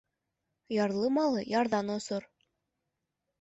Ярлы малы ярҙан осор.